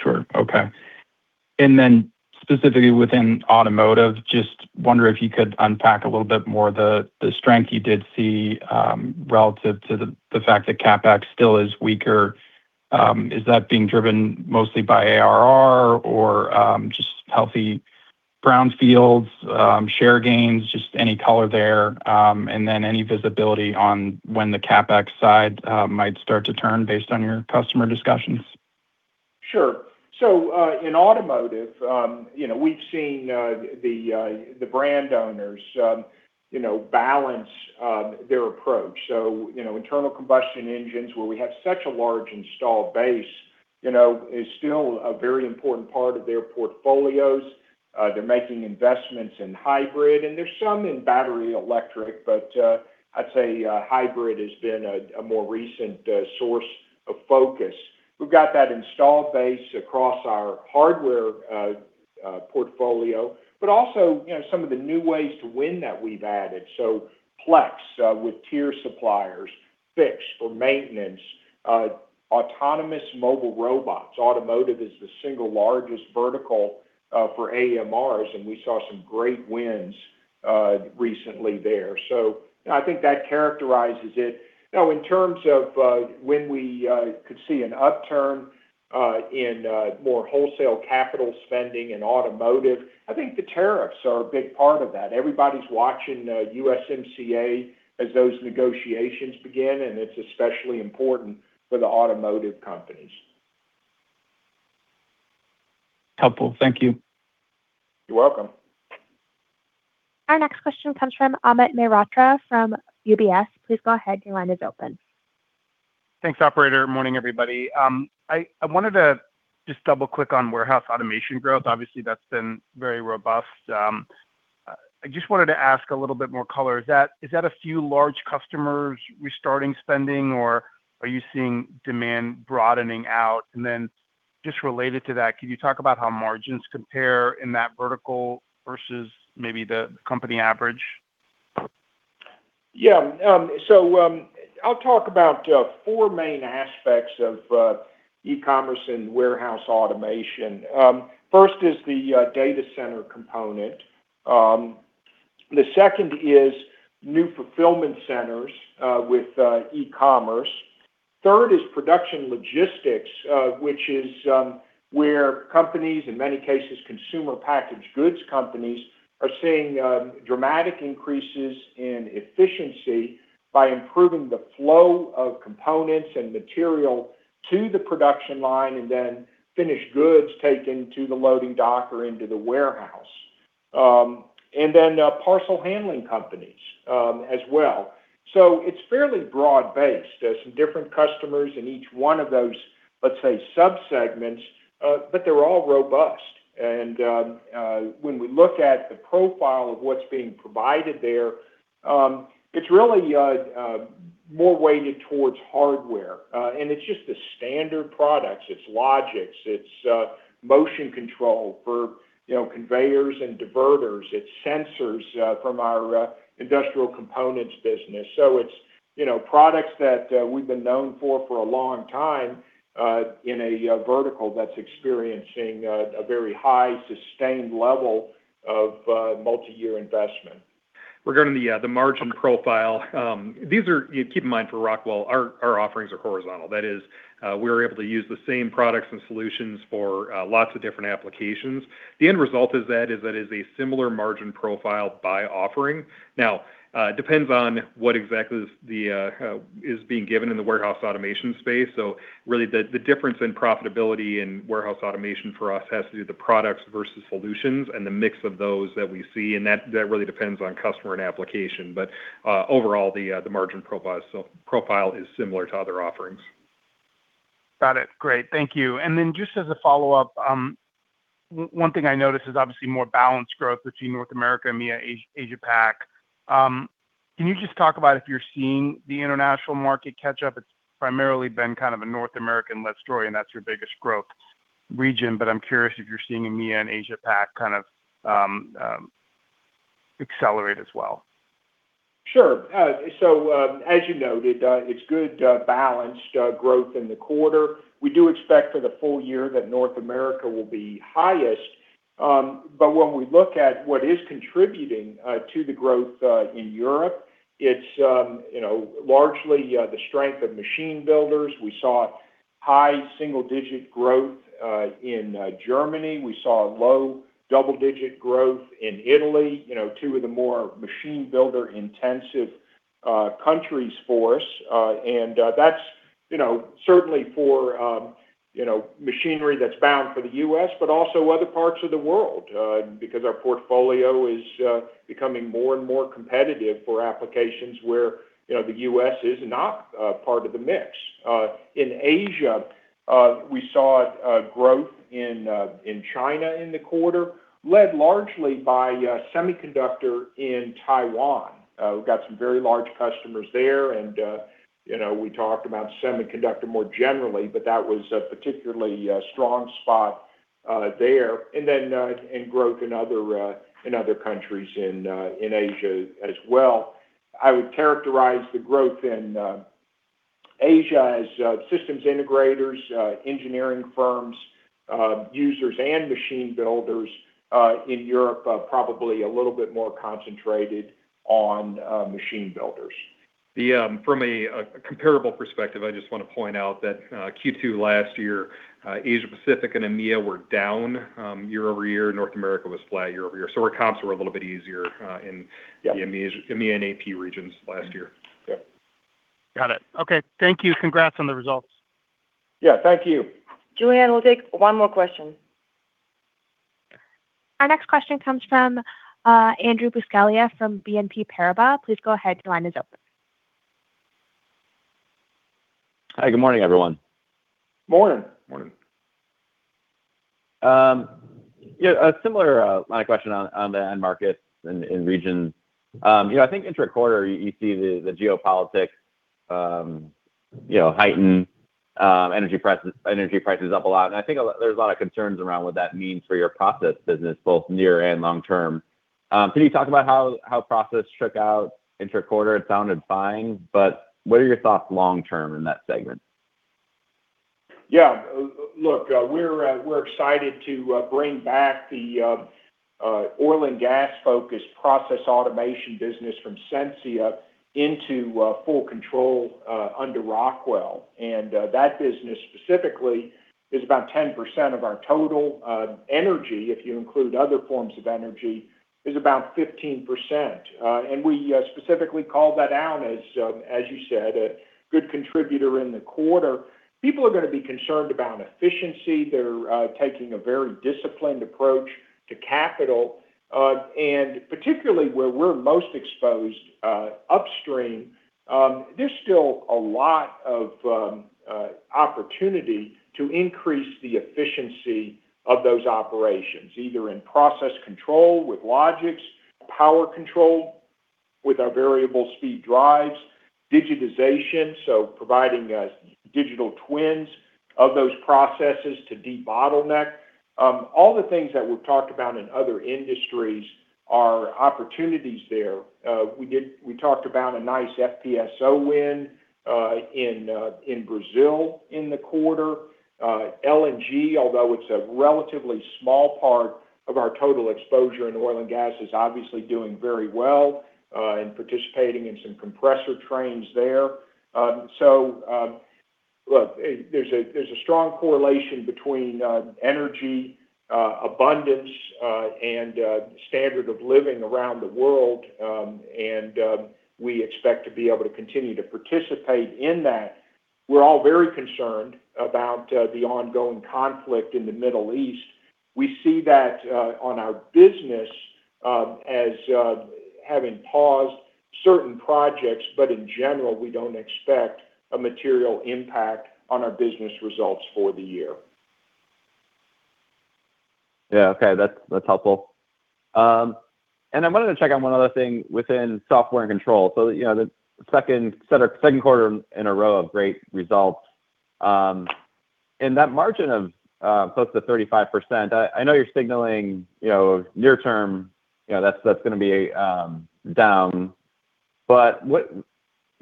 Sure. Okay. Specifically within automotive, just wonder if you could unpack a little bit more the strength you did see relative to the fact that CapEx still is weaker? Is that being driven mostly by ARR or, just healthy brownfields, share gains, just any color there, and then any visibility on when the CapEx side, might start to turn based on your customer discussions? Sure. In automotive, we've seen the brand owners balance their approach. Internal combustion engines where we have such a large installed base is still a very important part of their portfolios. They're making investments in hybrid, and there's some in battery electric, but I'd say hybrid has been a more recent source of focus. We've got that installed base across our hardware portfolio, but also some of the new ways to win that we've added. Plex with tier suppliers, Fiix for maintenance, autonomous mobile robots. Automotive is the single largest vertical for AMRs, and we saw some great wins recently there. I think that characterizes it. In terms of, when we could see an upturn, in more wholesale capital spending in automotive, I think the tariffs are a big part of that. Everybody's watching USMCA as those negotiations begin, and it's especially important for the automotive companies. Helpful. Thank you. You're welcome. Our next question comes from Amit Mehrotra from UBS. Please go ahead. Your line is open. Thanks, operator. Morning, everybody. I wanted to just double-click on warehouse automation growth. Obviously, that's been very robust. I just wanted to ask a little bit more color. Is that a few large customers restarting spending, or are you seeing demand broadening out? Just related to that, could you talk about how margins compare in that vertical versus maybe the company average? I'll talk about four main aspects of e-commerce and warehouse automation. First is the data center component. The second is new fulfillment centers with e-commerce. Third is production logistics, which is where companies, in many cases consumer packaged goods companies, are seeing dramatic increases in efficiency by improving the flow of components and material to the production line and then finished goods taken to the loading dock or into the warehouse. Then parcel handling companies as well. It's fairly broad-based. There's some different customers in each one of those, let's say, sub-segments, but they're all robust. When we look at the profile of what's being provided there, it's really more weighted towards hardware. It's just the standard products. It's Logix. It's motion control for, you know, conveyors and diverters. It's sensors from our industrial components business. It's, you know, products that we've been known for for a long time, in a vertical that's experiencing a very high sustained level of multi-year investment. Regarding the margin profile, keep in mind for Rockwell, our offerings are horizontal. That is, we're able to use the same products and solutions for lots of different applications. The end result of that is that it's a similar margin profile by offering. It depends on what exactly is being given in the warehouse automation space. Really the difference in profitability in warehouse automation for us has to do with the products versus solutions and the mix of those that we see, and that really depends on customer and application. Overall, the margin profile is similar to other offerings. Got it. Great. Thank you. Then just as a follow-up, one thing I noticed is obviously more balanced growth between North America, EMEA, Asia-Pac. Can you just talk about if you're seeing the international market catch up? It's primarily been kind of a North American-led story, and that's your biggest growth region, but I'm curious if you're seeing EMEA and Asia-Pac kind of accelerate as well. Sure. As you noted, it's good, balanced growth in the quarter. We do expect for the full year that North America will be highest. When we look at what is contributing to the growth in Europe, it's, you know, largely the strength of machine builders. We saw high single-digit growth in Germany. We saw low double-digit growth in Italy, you know, two of the more machine builder-intensive countries for us. That's, you know, certainly for, you know, machinery that's bound for the U.S., but also other parts of the world, because our portfolio is becoming more and more competitive for applications where, you know, the U.S. is not part of the mix. In Asia, we saw growth in China in the quarter, led largely by semiconductor in Taiwan. We've got some very large customers there, and, you know, we talked about semiconductor more generally, but that was a particularly strong spot there. Growth in other countries in Asia as well. I would characterize the growth in Asia as systems integrators, engineering firms. Users and machine builders in Europe are probably a little bit more concentrated on machine builders. The, from a comparable perspective, I just wanna point out that Q2 last year, Asia-Pacific and EMEA were down year-over-year. North America was flat year-over-year. Our comps were a little bit easier, in- Yeah the EMEA and AP regions last year. Yeah. Got it. Okay. Thank you. Congrats on the results. Yeah, thank you. Julianne, we'll take one more question. Our next question comes from Andrew Buscaglia from BNP Paribas. Please go ahead, your line is open. Hi, good morning, everyone. Morning. Morning. Yeah, a similar line of question on the end markets in region. You know, I think intraquarter you see the geopolitics, you know, heighten, energy prices up a lot, and I think there's a lot of concerns around what that means for your process business, both near and long term. Can you talk about how process shook out intraquarter? It sounded fine, but what are your thoughts long term in that segment? Yeah. Look, we're excited to bring back the oil and gas-focused process automation business from Sensia into full control under Rockwell. That business specifically is about 10% of our total. Energy, if you include other forms of energy, is about 15%. We specifically called that out as you said, a good contributor in the quarter. People are gonna be concerned about efficiency. They're taking a very disciplined approach to capital. Particularly where we're most exposed, upstream, there's still a lot of opportunity to increase the efficiency of those operations, either in process control with Logix, power control with our variable speed drives, digitization, so providing digital twins of those processes to de-bottleneck. All the things that we've talked about in other industries are opportunities there. We talked about a nice FPSO win in Brazil in the quarter. LNG, although it's a relatively small part of our total exposure in oil and gas, is obviously doing very well and participating in some compressor trains there. There's a strong correlation between energy abundance and standard of living around the world, and we expect to be able to continue to participate in that. We're all very concerned about the ongoing conflict in the Middle East. We see that on our business as having paused certain projects, but in general, we don't expect a material impact on our business results for the year. Yeah, okay. That's, that's helpful. I wanted to check on one other thing within Software & Control. You know, the second quarter in a row of great results. In that margin of close to 35%, I know you're signaling, you know, near term, you know, that's gonna be down. What, you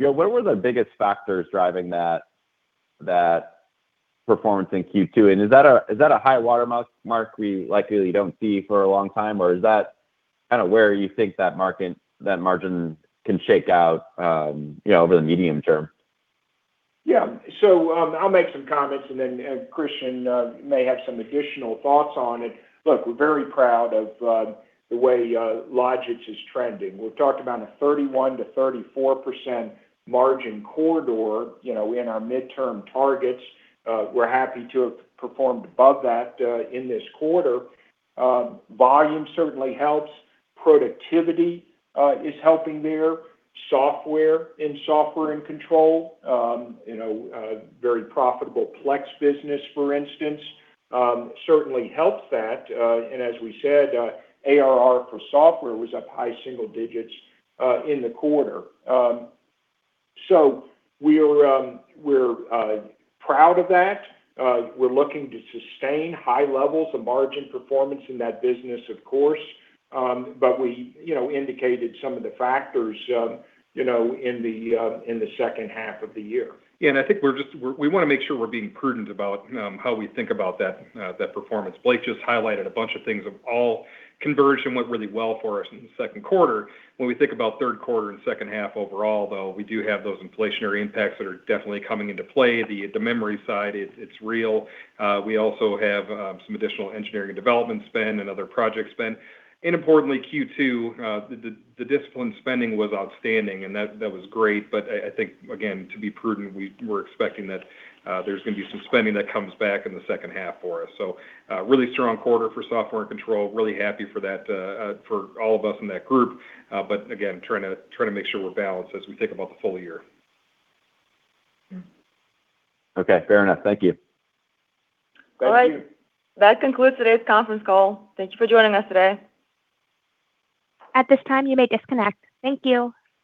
know, what were the biggest factors driving that performance in Q2? Is that a, is that a high water mark we likely don't see for a long time, or is that kind of where you think that margin, that margin can shake out, you know, over the medium term? I'll make some comments and then Christian may have some additional thoughts on it. Look, we're very proud of the way Logix is trending. We've talked about a 31%-34% margin corridor, you know, in our midterm targets. We're happy to have performed above that in this quarter. Volume certainly helps. Productivity is helping there. Software in Software & Control, you know, very profitable Plex business, for instance, certainly helped that. As we said, ARR for software was up high single digits in the quarter. We're proud of that. We're looking to sustain high levels of margin performance in that business, of course. We, you know, indicated some of the factors, you know, in the second half of the year. I think we wanna make sure we're being prudent about how we think about that performance. Blake just highlighted a bunch of things of all. Conversion went really well for us in the second quarter. When we think about third quarter and second half overall, though, we do have those inflationary impacts that are definitely coming into play. The memory side, it's real. We also have some additional engineering and development spend and other project spend. Importantly, Q2, the disciplined spending was outstanding, and that was great. I think, again, to be prudent, we're expecting that there's gonna be some spending that comes back in the second half for us. Really strong quarter for Software & Control. Really happy for that, for all of us in that group. Again, trying to make sure we're balanced as we think about the full year. Okay, fair enough. Thank you. All right. That concludes today's conference call. Thank you for joining us today. At this time, you may disconnect. Thank you.